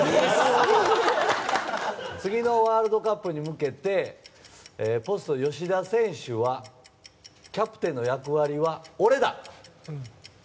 次のワールドカップに向けてポスト吉田選手はキャプテンの役割は俺だ！